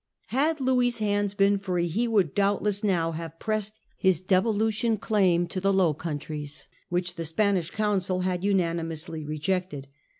Had Louis's hands been free, he would doubtless now have pressed his devolution claim to the Low Countries, which the Spanish council had unanimously rejected.